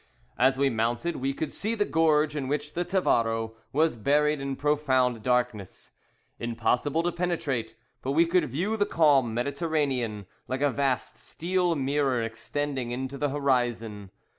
As we mounted we could see the gorge in which the Tavaro was buried in profound darkness, impossible to penetrate, but we could view the calm Mediterranean, like a vast steel mirror extending into the horizon.